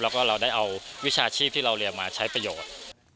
แล้วก็เราได้เอาวิชาชีพที่เราเรียนมาใช้ประโยชน์